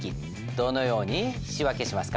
どのように仕訳しますか？